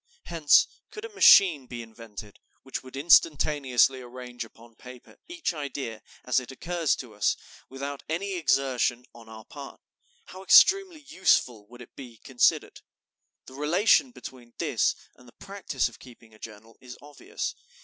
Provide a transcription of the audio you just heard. Hence, could a machine be invented which would instantaneously arrange upon paper each idea as it occurs to us, without any exertion on our part, how extremely useful would it be considered! The relation between this and the practice of keeping a journal is obvious....